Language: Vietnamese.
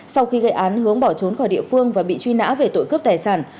sau khi gây án hướng bỏ trốn khỏi địa phương và bị truy nã về tội cướp tài sản